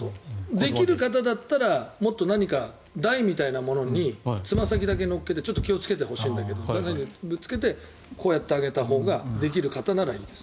できる方だったらもっと何か台みたいなものにつま先だけ乗せてちょっと気をつけてほしいんだけどかかとをつけてこうやって上げたほうができる方ならいいです。